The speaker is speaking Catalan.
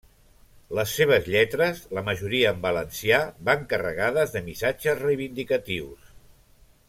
Les seves lletres, la majoria en valencià, van carregades de missatges reivindicatius.